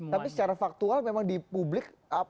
tapi secara faktual memang di publik